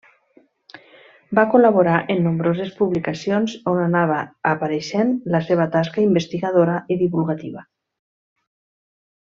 Va col·laborar en nombroses publicacions on anava apareixent la seva tasca investigadora i divulgativa.